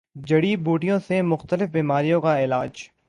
جڑی بوٹیوں سےمختلف بیماریوں کا علاج